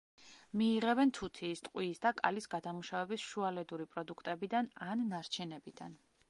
მიიღებენ თუთიის, ტყვიის და კალის გადამუშავების შუალედური პროდუქტებიდან ან ნარჩენებიდან.